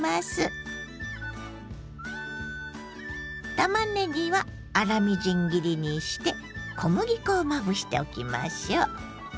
たまねぎは粗みじん切りにして小麦粉をまぶしておきましょう。